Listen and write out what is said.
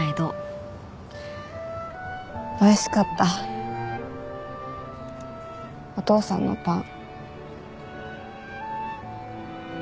おいしかったお父さんのパン。